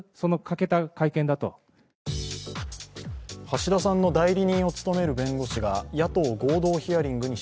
橋田さんの代理人を務める弁護士が野党合同ヒアリングに